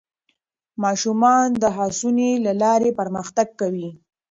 ماشومان د هڅونې له لارې پرمختګ کوي